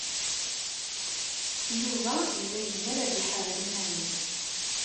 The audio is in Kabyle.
Yuba yella yezmer ad iḥader iman-is.